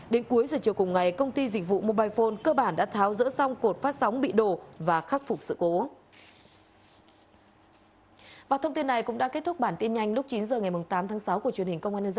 đến cuối giờ chiều cùng ngày công ty dịch vụ mobile phone cơ bản đã tháo rỡ xong cột phát sóng bị đổ và khắc phục sự cố